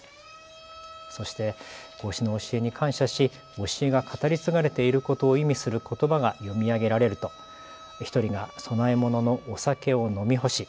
そして孔子の教えに感謝し教えが語り継がれていることを意味することばが読み上げられると１人が供え物のお酒を飲み干し